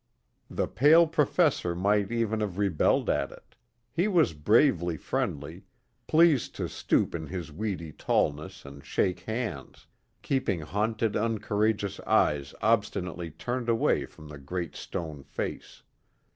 The Pale Professor might even have rebelled at it he was bravely friendly, pleased to stoop in his weedy tallness and shake hands, keeping haunted uncourageous eyes obstinately turned away from the great stone face.